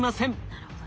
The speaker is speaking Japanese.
なるほど。